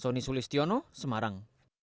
soni sulistiono semarang